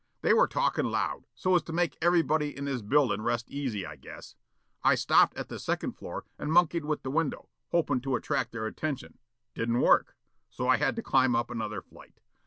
They were talkin' loud, so as to make everybody in this buildin' rest easy, I guess. I stopped at the second floor and monkeyed with the window, hopin' to attract their attention. Didn't work. So I had to climb up another flight.